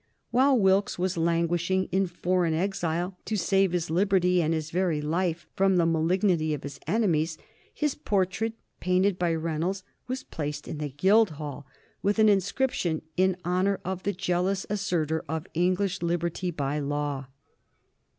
While Wilkes was languishing in foreign exile to save his liberty and his very life from the malignity of his enemies, his portrait, painted by Reynolds, was placed in the Guildhall with an inscription in honor of the jealous assertor of English liberty by law.